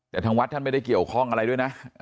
แต่ทางวัดท่านไม่ได้เกี่ยวข้องอะไรด้วยนะ